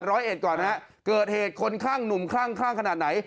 ร้อยเอ็ดก่อนนะเกิดเหตุคนข้างหนุ่มข้างขนาดไหน